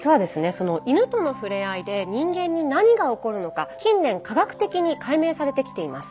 その犬との触れ合いで人間に何が起こるのか近年科学的に解明されてきています。